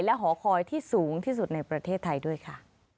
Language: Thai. และหอคอยที่สูงที่สุดในประเทศไทยด้วยค่ะ